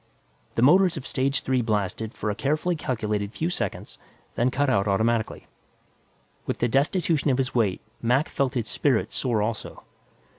The motors of stage three blasted for a carefully calculated few seconds, then cut out automatically. With the destitution of his weight, Mac felt his spirits soar also.